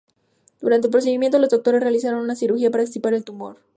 Durante el procedimiento, los doctores realizaron una cirugía para extirpar el tumor.